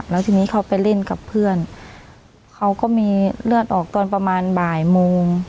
แล้วทีนี้เขาไปเล่นกับเพื่อนเขาก็มีเลือดออกตอนประมาณบ่ายโมง